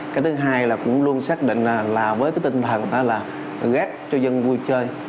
cái thứ hai là cũng luôn xác định là với cái tinh thần là gác cho dân vui chơi